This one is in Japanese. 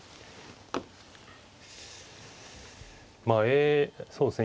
まあそうですね。